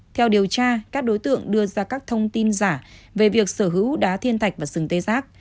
theo điều tra các đối tượng đưa ra các thông tin giả về việc sở hữu đá thiên thạch và sừng tê giác